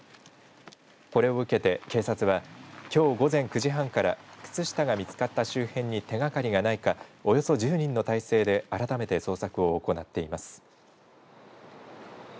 これを受けて、警察はきょう午前９時半から靴下が見つかった周辺に手がかりがないかおよそ１０人の態勢で改めて捜索を行っています。